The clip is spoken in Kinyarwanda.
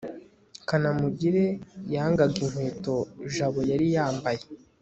kanamugire yangaga inkweto jabo yari yambaye